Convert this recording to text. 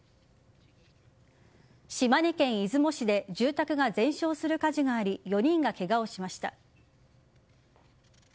島根県出雲市で住宅が全焼する火事があり４人がケガをしました。